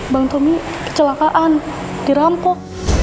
bang tommy kecelakaan dirampok